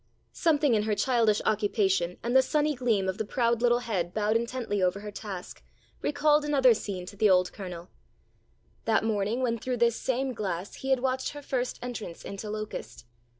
Something in her childish occupation and the sunny gleam of the proud little head bowed intently over her task, recalled another scene to the old Colonel; that morning when through this same glass he had watched her first entrance into Locust.